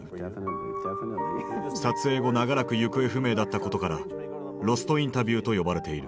撮影後長らく行方不明だったことから「ロスト・インタビュー」と呼ばれている。